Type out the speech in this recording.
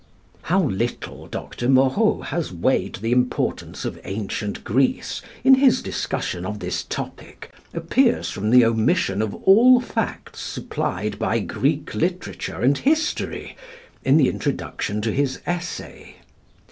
How little Dr. Moreau has weighed the importance of ancient Greece in his discussion of this topic, appears from the omission of all facts supplied by Greek literature and history in the introduction to his Essay.